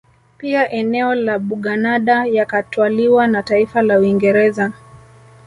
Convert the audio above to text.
Pia eneo la Buganada yakatwaliwa na taifa la Uingereza